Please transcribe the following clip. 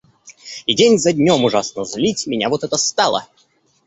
И день за днем ужасно злить меня вот это стало.